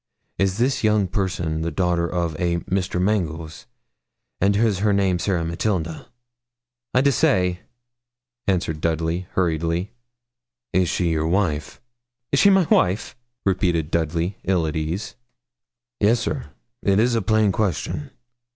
Is this young person the daughter of a Mr. Mangles, and is her name Sarah Matilda?' 'I dessay,' answered Dudley, hurriedly. 'Is she your wife?' 'Is she my wife?' repeated Dudley, ill at ease. 'Yes, sir; it is a plain question.'